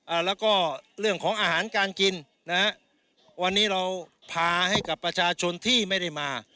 อ่าแล้วก็เรื่องของอาหารการกินนะฮะวันนี้เราพาให้กับประชาชนที่ไม่ได้มา